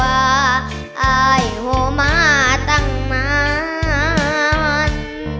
อายโหมาตั้งนาน